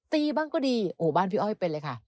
บ้างก็ดีโอ้บ้านพี่อ้อยเป็นเลยค่ะ